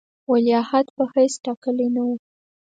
ولیعهد په حیث ټاکلی نه وو.